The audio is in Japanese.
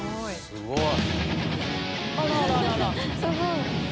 すごい。